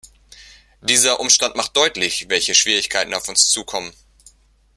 Dieser Umstand macht deutlich, welche Schwierigkeiten auf uns zukommen.